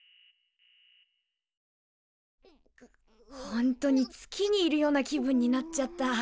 ほんとに月にいるような気分になっちゃった。